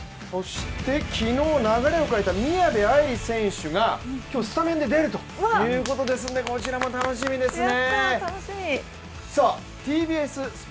昨日、流れを変えた宮部藍梨選手が今日、スタメンで出るということですので、こちらも楽しみですね。